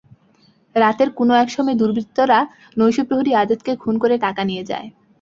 রাতের কোনো একসময়ে দুর্বৃত্তরা নৈশপ্রহরী আজাদকে খুন করে টাকা নিয়ে যায়।